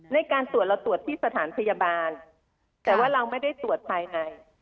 ในการตรวจเราตรวจที่สถานพยาบาลแต่ว่าเราไม่ได้ตรวจภายใน